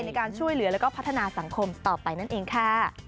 ในการช่วยเหลือแล้วก็พัฒนาสังคมต่อไปนั่นเองค่ะ